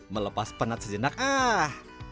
melepas penat sejenak ah